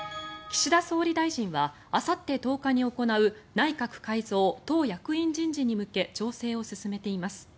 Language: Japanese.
岸田総理大臣はあさって１０日に行う内閣改造、党役員人事に向け調整を進めています。